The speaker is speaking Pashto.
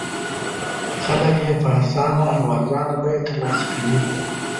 خلک یې په اسانه او ارزانه بیه تر لاسه کوي.